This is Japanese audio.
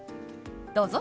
どうぞ。